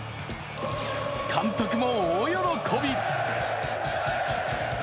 監督も大喜び。